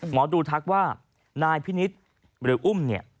หมอดูทักว่านายพินิษฐ์หรืออุ้มเนี่ย